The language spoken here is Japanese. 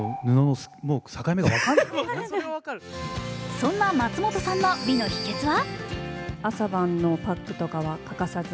そんな松本さんの美の秘けつは？